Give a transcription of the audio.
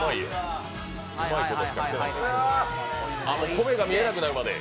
米が見えなくなるまで。